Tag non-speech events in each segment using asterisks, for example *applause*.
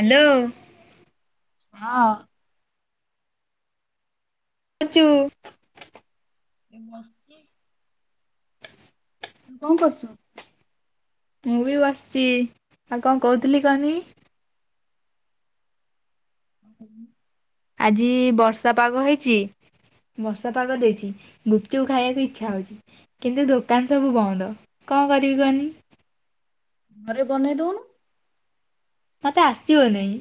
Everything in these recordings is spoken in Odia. ହାଲୋ। ହଁ। ଖଚୁ ଏ ବସିଚି କଣ କରୁଚ ମୁଁ ବି ବସିଛି। ଆଉ କଣ କହୁଥିଲି କହନି? *inaudible* ଆଜି ବର୍ଷା ପାଗ ହେଇଚି। ବର୍ଷା ପାଗ ଦେଇଚି। ଗୁପଚୁପ୍ ଖାଇବାକୁ ଇଚ୍ଛା ହୋଉଚି। କିନ୍ତୁ ଦୋକାନ ସବୁ ବନ୍ଦ କଣ କରିବି କହନି? ଘରେ ବନେଇ ଦୋଉନୁ। ମତେ ଆସିବ ନେଇ।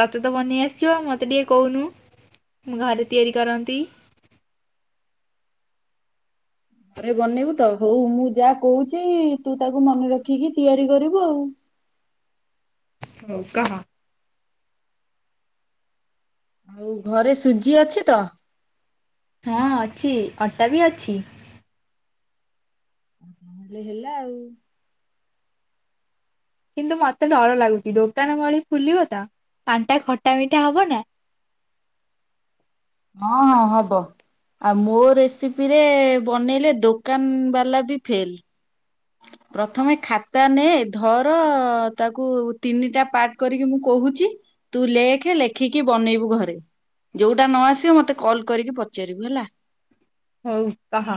ତତେ ତ ବନେଇ ଆସିବ। ମୋତେ ଟିକେ କହୁନୁ। ମୁଁ ଘରେ ତିଆରି କରନ୍ତି। ଘରେ ବନେଇବୁ ତ ହଉ ମୁଁ ଯାହା କହୁଛି। ତୁ ତାକୁ ମନେ ରଖିକି ତିଆରି କରିବୁ ଆଉ। ହୋଉ କହ। ହୋଉ ଘରେ ସୁଜି ଅଛି ତ? ହଁ ଅଛି ଅଟା ବି ଅଛି। ହଁଲେ ହେଲା ଆଉ। କିନ୍ତୁ ମତେ ଡର ଲାଗୁଚି। ଦୋକାନ ଭଳି ଫୁଲିବ ତ? ପାଣ୍ଟା ଖଟା ମିଠା ହବ ନା? ହଁ ହଁ ହବ। ଆଉ ମୋ ରେସିପିରେ ବନେଇଲେ ଦୋକାନ। ବାଲା ବି ଫେଲ୍। ପ୍ରଥମେ ଖାତା ନେ ଧର ତାକୁ ତିନିଟା ପାର୍ଟ କରିକି ମୁଁ କହୁଚି। ତୁ ଲେଖେ ଲେଖିକି ବନେଇବୁ ଘରେ। ଯୋଉଟା ନ ଆସିବ ମତେ କଲ୍ କରିକି ପଚାରିବୁ ହେଲା। ହୋଉ କହ।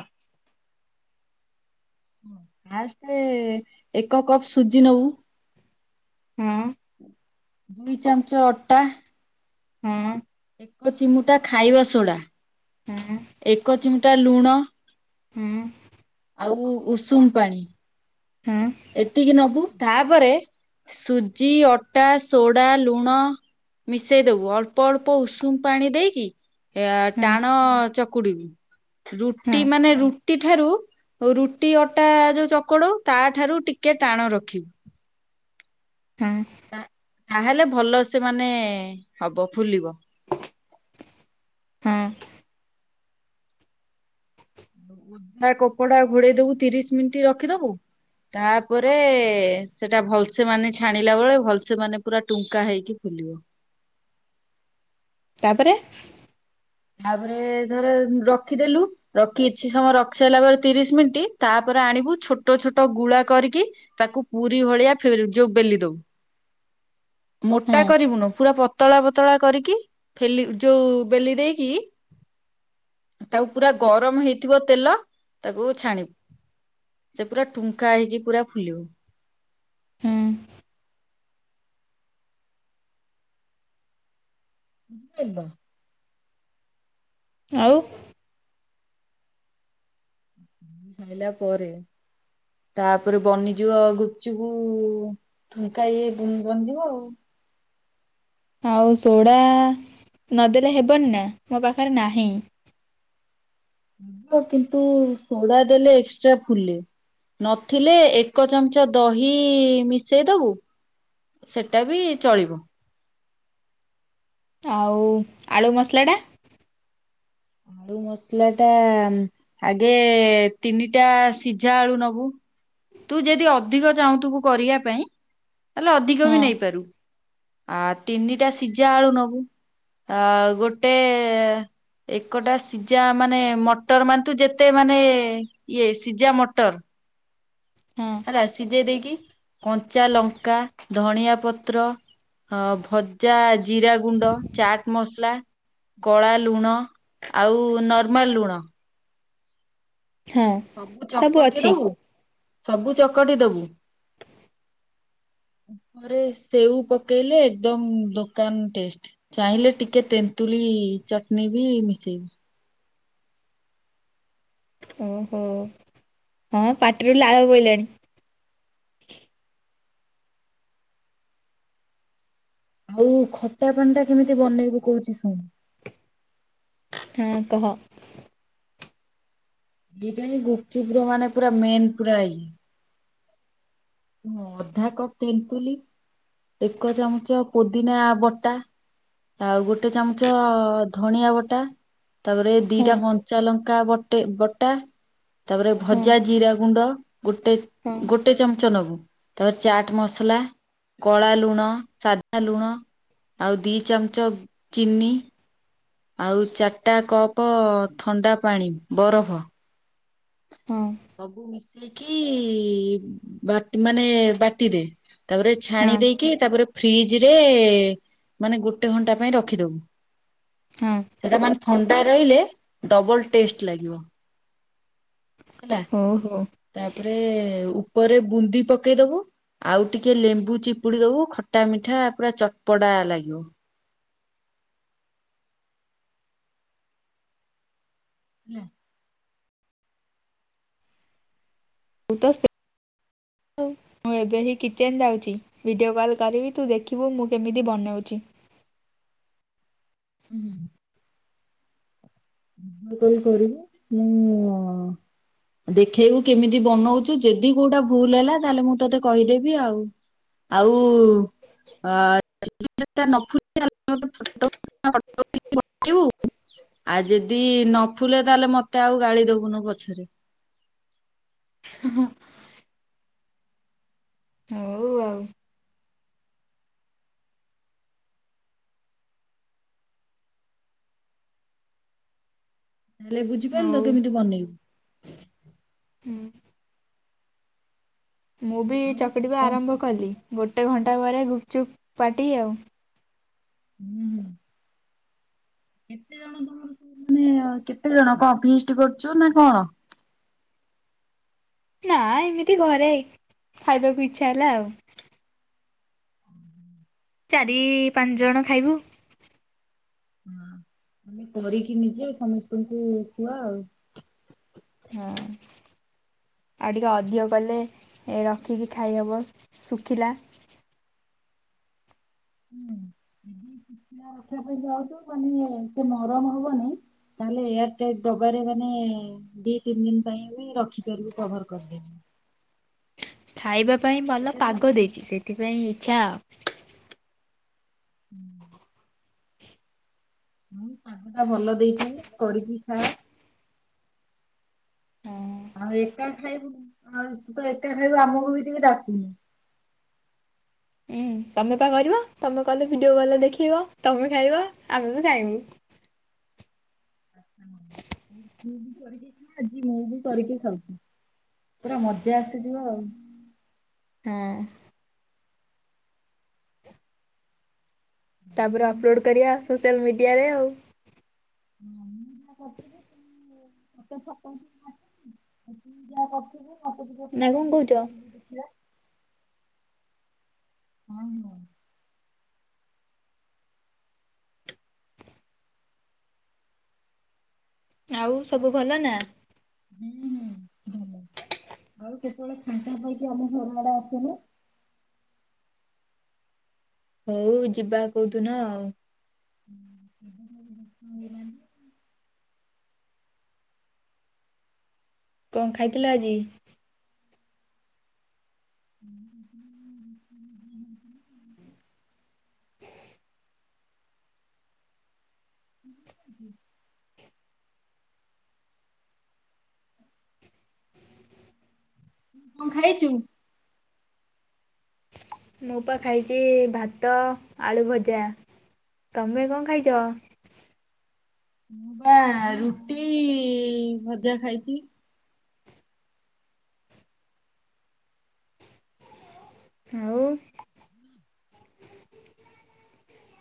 ଫାଷ୍ଟ ଏକ କପ୍ ସୁଜି ନବୁ। ହଁ ଦୁଇ ଚାମଚ ଅଟା। ହୁଁ ଏକ ଚିମୁଟା ଖାଇବା ସୋଡା ହଁ ଏକ ଚିମୁଟା ଲୁଣ। ହୁଁ ଆଉ ଉଷୁମ ପାଣି। ହଁ ହଁ ଏତିକି ନବୁ ତାପରେ ସୁଜି ଅଟା ସୋଡା ଲୁଣ ମିଶେଇଦବୁ ଅଳ୍ପ ଅଳ୍ପ ଉଷୁମ ପାଣି ଦେଇକି ଏଆ ହଁ ଟାଣ ଚକୁଡିିବୁ ହଁ ରୁଟି ମାନେ ରୁଟ ଟି ଠାରୁ ରୁଟି ଅଟା ଯୋଉ ଚକଡଉ ତାଠାରୁ ଟିକେ ଟାଣ ରଖିବୁ। ହୁଁ ତାହେଲେ ଭଲ ସେ ମାନେ ହବ ଫୁଲିବ। ହଁ ଓଦା କପଡା ଘୁଡେଇଦବୁ ତିରିଶ ମିନିଟ୍ ରଖିଦବୁ। ତାପରେ ସେଟା ଭଲସେ ମାନେ ଛାଣିଲା ବେଳେ ଭଲସେ ମାନେ ପୁରା ଟୁମ୍ କା ହେଇକି ଫୁଲିବ। ତାପରେ ତାପରେ ଧର ରଖିଦେଲୁ ରଖି କିଛି ସମୟ ରଖି ସାରିଲା ପରେ ତିରିଶ ମିନିଟ୍ ତାପରେ ଆଣିବୁ ଛୋଟ ଛୋଟ ଗୁଳା କରିକି ତାକୁ ପୁରୀ ଭଳିଆ ଯୋଉ ବେଲି ଦବୁ। ହ ମୋଟା କରିବୁନୁ ପୁରା ପତଳା ପତଳା କରିକି ଫେଲି ଯୋଉ ବେଲି ଦେଇକି। କି? ତାକୁ ପୁରା ଗରମ ହେଇଥିବ ତେଲ ତାକୁ ଛାଣିବୁ। ସେ ପୁରା ଟୁଙ୍କା ହେଇକି ପୁରା ଫୁଲିବ ହୁଁ ବୁଝିପାରିଲ? ଆଉ ଖାଇଲା ପରେ ତାପରେ ବନିଯିବ ଗୁପଚୁପ ଏକା ଇଏ *inaudible* ଆଉ ଆଉ ସୋଡ଼ା ନଦେଲେ ହେବନି ନା ମୋ ପାଖରେ ନାହିଁ। କିନ୍ତୁ ସୋଡା ଦେଲେ ଏକ୍ସଟ୍ରା ଫୁଲେ। ନଥିଲେ ଏକ ଚାମଚ ଦହି ମିଶେଇଦବୁ ସେଟା ବି ଚଳିବ। ଆଉ ଆଳୁ ମସଲା ଟା? ଦୁ ମସଲା ଟା ଆଗେ ତିନିଟା ସିଝା ଆଳୁ ନବୁ। ତୁ ଯଦି ଅଧିକ ଚାହୁଁଥୁବୁ କରିବା ପାଇଁ ତାହେଲେ ଅଧିକ ହଁ ବି ନେଇପାରିବୁ। ଆ ତିନିଟା ସିଝା ଆଳୁ ନବୁ ଆ ଗୋଟେ ଏକଟା ସିଜା ମାନେ ମଟର ମାନନ୍ତୁ ଯେତେ ମାନେ ଇଏ ସିଜା ମଟର ହଁ ହେଲା ସିଝେଇ ଦେଇକି କଞ୍ଚା ଲଙ୍କା, ଧଣିଆ ପତ୍ର ହଁ ଭଜା, ଜିରାଗୁଣ୍ଡ, ଚାଟ ମସଲା କଳା ଲୁଣ ଆଉ ନର୍ମାଲ ଲୁଣ। ହଁ ସବୁ ଚକଟି ଦବୁ, ସବୁ ଚକଟି ଦବୁ। ଉପରେ ସେଉ ପକେଇଲେ ଏକଦମ ଦୋକାନ ଟେଷ୍ଟ। ଚାହିଁଲେ ଟିକେ ତେନ୍ତୁଳି ଚଟନୀ ବି ମିଶେଇବୁ। ଓହ ହଉ ହଁ ପାଟିରୁ ଲାଳ ବୋଇଲାଣି। ଆଉ ଖଟା ପାଣିଟା କେମିତି ବନେଇବୁ କହୁଛି ଶୁଣୁ। ହଁ କହ ଏଇଟା ହି ଗୁପଚୁପ ମାନେ ପୁରା ମେନ୍ ପୁରା ଏଇ। ଅଧା କପ୍ ତେନ୍ତୁଲି, ଏକ ଚାମଚ ପୋଦିନା ବଟା। ଆଉ ଗୋଟେ ଚାମଚ ଧଣିିଆ ବଟା, ତାପରେ ହଁ ଦିଟା କଞ୍ଚାଲଙ୍କା ବଟେ ବଟା ତାପରେ ହଁ ଭଜା ଜିରା ଗୁଣ୍ଡ ଗୋଟେ ହଁ ଗୋଟେ ଗୋଟେ ଚାମଚ ନବୁ ତାପରେ ଚାଟ ମସଲା, କଳା ଲୁଣ ସାଧା ଲୁଣ ଆଉ ଦି ଚାମଚ ଚିନି। ଆଉ ଚାରିଟା କପ ଥଣ୍ଡା ପାଣି ବରଫ। ହଁ। ସବୁ ମିଶେଇକି ବା ମାନେ ବାଟିଦେ। ତାପରେ ଛାଣି ହଁ ଦେଇକି ତାପରେ ଫ୍ରିଜ ରେ ମାନେ ଗୋଟେ ଘଣ୍ଟା ପାଇଁ ରଖିଦବୁ। ହଁ। ସେଟା ମାନେ ଥଣ୍ଡା ରହିଲେ ଡବଲ ଟେଷ୍ଟ ଲାଗିବ। ହେଲା ହଁ ହଉ ତାପରେ ଉପରେ ବୁନ୍ଦି ପକେଇଦବୁ। ଆଉ ଟିକେ ଲେମ୍ବୁ ଚିପୁଡି ଦବୁ ଖଟା ମିଠା ପୁରା ଚଟପଟା ଲାଗିବ। *inaudible* *unintelligible* ମୁଁ ଏବେ ହିଁ କିଚେନ ଯାଉଛି, ଭିଡିଓ କଲ କରିବି ତୁ ଦେଖିବୁ ମୁଁ କେମିତି ବନଉଛି। ଉଁ ହୁଁ ହୁଁ। ଉଁ କଲ କରିବ ମୁଁ। ଦେଖେଇବୁ କେମିତି ବନଉଛୁ ଯଦି କୋଉଟା ଭୁଲ ହେଲା ତାହେଲେ ମୁଁ ତୋତେ କହିଦେବି ଆଉ। ଆଉ। ଅ *inaudible* ତାହେଲେ ମତେ ଫୋଟୋ *inaudible* ପଠେଇବୁ ଆଉ ଯଦି ନ ଫୁଲେ ତାହେଲେ ମତେ ଆଉ ଗାଳି ଦବୁନୁ ପଛରେ। ହୁଁ ହଁ। ହଉ ଆଉ ତାହେଲେ ହଉ ବୁଝିପାରିଲ କେମିତି ବନେଇବୁ? ହୁଁ। ମୁଁ ବି ଆଉ ଚକଟିବା କଣ ଆରମ୍ଭ ହୁଁ କଲି ଗୋଟେ ଘଣ୍ଟା ପରେ ଗୁପଚୁପ୍ ପାଟି ଆଉ। ହୁଁ ହୁଁ। କେତେ ଜଣ ତମର ସବୁ ମାନେ କେତେ ଜଣ କଣ ଫିଷ୍ଟ କରୁଛ ନା କଣ? ନା ଏମିତି ଘରେ ଖାଇବାକୁ ଇଚ୍ଛା ହେଲା ଆଉ। ଚାରି ପାଞ୍ଚ ଜଣ ଖାଇବୁ। ହଁ ତମେ କରିକି ନିଜେ ଆଉ ସମସ୍ତଙ୍କୁ ଖୁଆ ଆଉ। ହଁ। ଆଉ ଟିକେ ଅଧିକ କଲେ ଏ ରଖିକି ଖାଇହବ ଶୁଖିଲା। ହୁଁ *inaudible* ଶୁଖିଲା ରଖିବା ପାଇଁ ଚାହୁଁଚ *unintelligible* ଏତେ ନରମ ହବନି। ତାହେଲେ ଏୟାର ଟାଇଟ ଡବାରେ ମାନେ। ଦି ତିନି ଦିନ ପାଇଁ ବି ରଖିପାରିବୁ କଭର କରିଦେମି। ଖାଇବା ପାଇଁ ଭଲ ସେଥିରେ ପାଗ ଦେଇଛି ସେଥିପାଇଁ ଇଚ୍ଛା। ହୁଁ। ହଁ ପାଗ ଟା ଭଲ ଦେଇଛି ବି କରିକି ଖା। ଆଉ। ଆଉ ଏକା ଖାଇବୁ ଆଉ ତୁ ତ ଏକା ଖାଇବୁ ଆମକୁ ବି ଟିକେ ଡାକୁନି। ହୁଁ ତମେ ପା କରିବ ତମେ କଲେ ଭିଡିଓ କଲ ଦେଖେଇବ ତମେ ଖାଇବ ଆମେ ବି ଖାଇବୁ। ହୁଁ ତୁ ବି କରିକି ଖା ଆଜି ମୁଁ ବି କରିକି ଖାଉଛି। ପୁରା ମଜା ଆସିଯିବ ଆଉ। ହଁ। ତାପରେ ଅପଲୋଡ଼୍ ଯାହା କରିବା କରିଥିଲି, ସୋସିଆଲ ମିଡ଼ିଆରେ ଆଉ। ହଁ ମୁଁ ଯାହା କରିଥିବି ତୁ ଇଏ ମତେ ସପନ *inaudible* ଆସିଚି ଆଉ ତୁ ଯାହା କରୁଥିବୁ। ମତେ ଟିକେ ଫୋଟୋ ନା କଣ ଉଠେଇକି କହୁଛ? ପଠେଇବି ଦେଖିବା ହଁ। ଆଉ ସବୁ ଭଲ ନା? ହୁଁ ହୁଁ ହୁଁ। ହ! ଆଉ କେତେବେଳେ ଫାଙ୍କା ପାଇକି ଆମ ଘର ଆଡେ ଆସୁନୁ। ହଉ ଯିବା କଉ ଦିନ ଆଉ। ହୁଁ କେବେ ଠାରୁ ଦେଖା ହେଲାନି। କଣ ଖାଇଥିଲ ଆଜି? ମୁଁ ଖାଇଥିଲି ରୁଟି, ଭଜା, ମଟର *inaudible* ତୁ କଣ ଖାଇଥିଲୁ? ତୁ କଣ ଖାଇଛୁ? ମୁଁ ପା ଖାଇଛି ଭାତ, ଆଳୁ ଭଜା। ତମେ କଣ ଖାଇଛ? ମୁଁ ବା ରୁଟି, ଭଜା ଖାଇଛି। ଆଉ।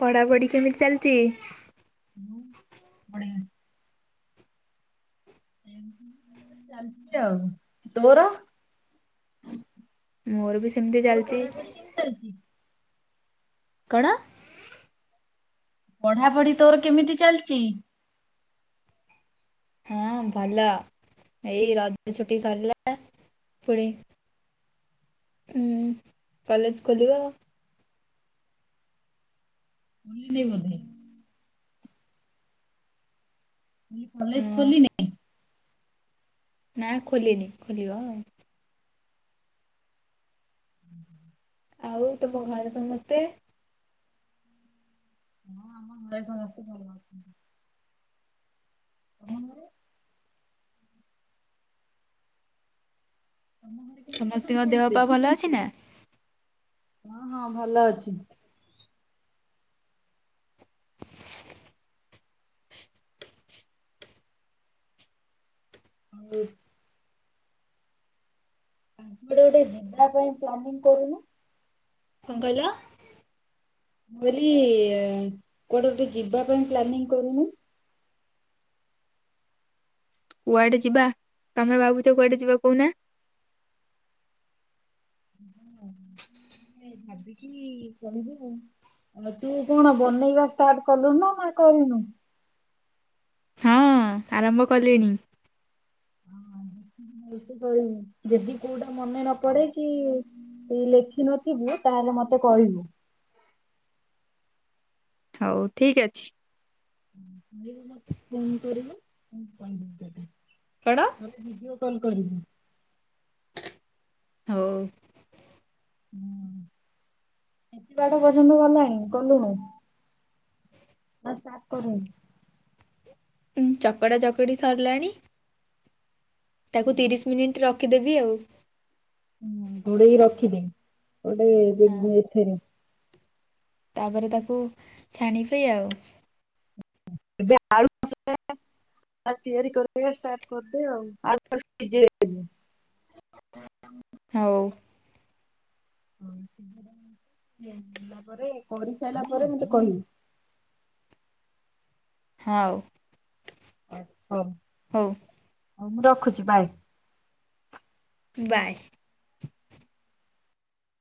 ପଢ଼ାପଢ଼ି କେମିତି ଚାଲିଛି? ବଢିଆ। *inaudible* ଚାଲିଛି ଆଉ। ତୋର? ମୋର ବି ସେମିତି ତୋର ଚାଲିଛି। ପଢାପଢି କେମିତି ଚାଲିଛି? କଣ? ପଢା ପଢି ତୋର କେମିତି ଚାଲିଛି? ହଁ ଭଲ ଏଇ ରଜ ଛୁଟି ସରିଲା ପୁଣି କଲେଜ ଖୋଲିବ ବୁଲିନି *unintelligible* ହଁ କଲେଜ ଖୋଲିିନି? ନା ଖୋଲିନି। ଖୋଲିବ ଆଉ। ଆଉ ତୁମ ଘରେ ସମସ୍ତେ? ହଁ ଆମ *unintelligible* ତମ ଘରେ ତମ ଘରେ କେମିତି ଅଛନ୍ତି ସମସ୍ତଙ୍କ ଦେହ ସମସ୍ତେ? ପା ଭଲ ଅଛି ନା? ହଁ ହଁ ଭଲ ଅଛି। ଆଉ କୁଆଡେ ଗୋଟେ ଯିବା ପାଇଁ ପ୍ଲାନିଂ କରୁନୁ। କଣ କହିଲ? ମୁଁ କହିଲି କୁଆଡେ ଗୋଟେ ଯିବା ପାଇଁ ପ୍ଲାନିଂ କରୁନୁ। କୁଆଡେ ଯିବା? ତମେ ଭାବୁଛ କୁଆଡେ ଯିବା କହୁନା? *unintelligible* ଭାବିକି କହିବୁ। ଆଉ ତୁ କଣ ବନେଇବା ଷ୍ଟାର୍ଟ କଲୁ ନା ନା କରିନୁ? ହଁ ଆରମ୍ଭ କଲିଣି। ଭଲସେ ଯଦି କୋଉଟା ମନେ ନ ପଡେ କି ଲେଖିିନଥିବୁ ତାହେଲେ ମତେ କହିବୁ। ହଉ ଠିକ୍ ଅଛି। କହିବ ମତେ ଫୋନ କରିବ ମୁଁ କହିଦେବି ତତେ। କଣ? ଭିଡିଓ କଲ୍ କରିବି। ହଉ। ହୁଁ ଏତେ ବାଟ ପର୍ଯ୍ୟନ୍ତ ଗଲାଣି କଲୁଣୁ? ନା ଷ୍ଟାର୍ଟ କରିନୁ? ଚକଡ଼ା ଚକଡ଼ି ସରିଲାଣି ତାକୁ ତିରିଶ ମିନିଟ୍ ରଖିଦେବି ଆଉ। ହୁଁ ଘୋଡେଇକି ରଖିଦେ ଗୋଟେ ହଁ ଏ ଏଥିରେ ତାପରେ ତାକୁ ଛାଣି ପି ଆଉ। *unintelligible* ତିଆରି କରିଦେବେ ଷ୍ଟାର୍ଟ କରିଦେ ଆଉ ଆଳୁ *unintelligible* ହଉ। ହଁ *unintelligible* ପରେ କରିସାରିଲା ପରେ ମତେ କହିବୁ। ହଁ। ଆଛା ଆଉ ହଉ ମୁଁ ରଖୁଛି ବାଏ। ବାଏ।